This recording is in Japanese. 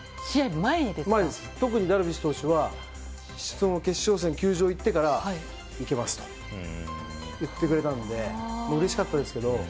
特にダルビッシュ投手は決勝戦、球場に行ってから行けますと言ってくれたんでうれしかったですけど。